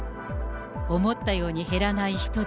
思ったように減らない人出。